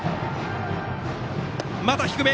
また低め！